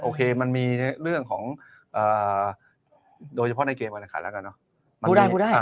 โอเคมันมีเรื่องของโดยเฉพาะในเกมการแข่งขันแล้วกันเนอะ